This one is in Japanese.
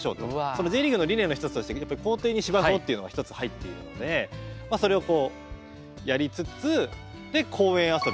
Ｊリーグの理念の一つとして校庭に芝生をっていうのが一つ入っているのでそれをこうやりつつで公園遊び。